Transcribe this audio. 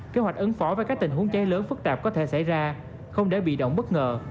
kế hoạch ứng phó với các tình huống cháy lớn phức tạp có thể xảy ra không để bị động bất ngờ